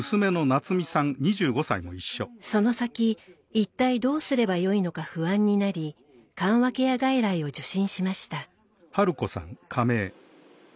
その先一体どうすればよいのか不安になり緩和ケア外来を受診しました。